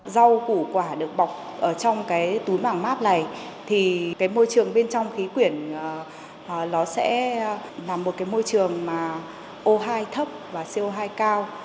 rau củ quả được bọc ở trong cái túi mảng mát này thì cái môi trường bên trong khí quyển nó sẽ là một cái môi trường mà o hai thấp và co hai cao